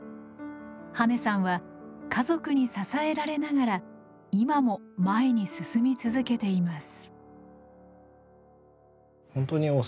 羽根さんは家族に支えられながら今も前に進み続けています。